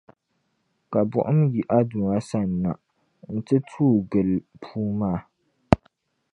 Ka Buɣim yi a Duuma sani na n-ti tuui gili li puu maa.